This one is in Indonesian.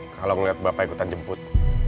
kalau ngeliat bapak ikutan jemput